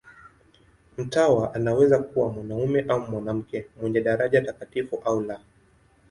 Mtawa anaweza kuwa mwanamume au mwanamke, mwenye daraja takatifu au la.